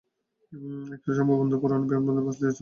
একই সময় বন্ধ থাকে পুরোনো বিমানবন্দরের পাশ দিয়ে চলা লিংক রোডও।